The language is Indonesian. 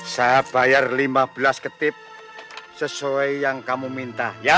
saya bayar lima belas ketip sesuai yang kamu minta